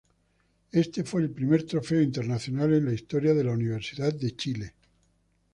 Este fue el primer trofeo internacional en la historia de la Universidad de Chile.